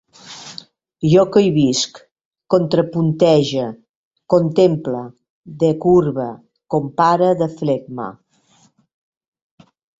Jo cohibisc, contrapuntege, contemple, decurve, compare, deflegme